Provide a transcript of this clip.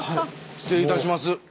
失礼いたします。